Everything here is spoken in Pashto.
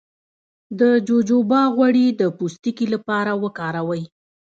د جوجوبا غوړي د پوستکي لپاره وکاروئ